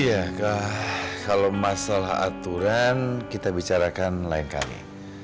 iya kak kalau masalah aturan kita bicarakan lain kali